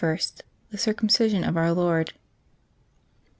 — THE CIRCUMCISION OF OUR LORD.